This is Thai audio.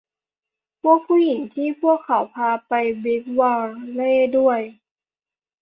พวกผู้หญิงที่พวกเขาพาไปบิ๊กวัลเลย์ด้วย